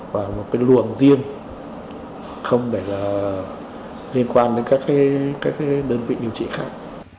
và một cái luồng riêng không để liên quan đến các đơn vị điều trị khác